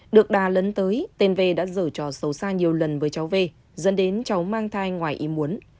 được đà lấn tới tên v đã dở trò xấu xa nhiều lần với cháu v dẫn đến cháu mang thai ngoài ý muốn